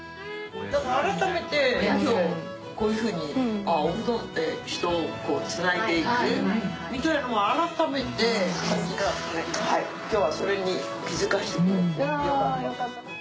改めてこういうふうにおうどんって人をつないでいくみたいのも改めて今日はそれに気付かせてくれてよかったです。